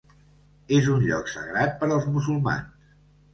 És un lloc sagrat per als musulmans.